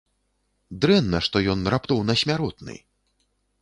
Дрэнна, што ён раптоўна смяротны!